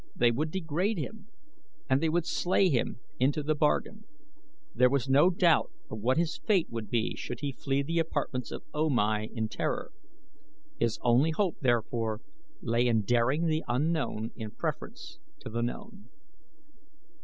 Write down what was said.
They would degrade him and they would slay him into the bargain. There was no doubt of what his fate would be should he flee the apartments of O Mai in terror. His only hope, therefore, lay in daring the unknown in preference to the known.